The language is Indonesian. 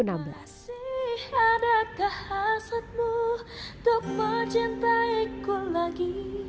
adakah hasutmu untuk mencintaiku lagi